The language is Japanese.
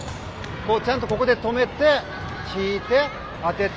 こうちゃんとここで止めて引いて当ててフォロー。